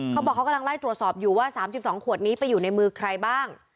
เขาบอกเขากำลังไล่ตรวจสอบอยู่ว่า๓๒ขวดนี้ไปอยู่ในมือใครบ้าง